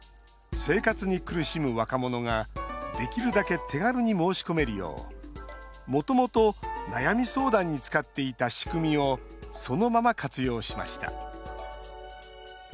生活に苦しむ若者ができるだけ手軽に申し込めるようもともと悩み相談に使っていた仕組みをそのまま活用しました。